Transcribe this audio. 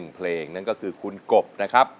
เพลงนั่นก็คือคุณกบนะครับ